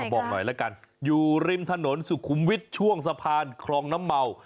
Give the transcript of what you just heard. บอกหน่อยละกันอยู่ริมถนนสุขุมวิทย์ช่วงสะพานคลองน้ำเมา